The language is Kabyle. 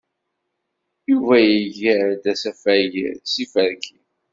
Yuba iga-d asafag s yiferki.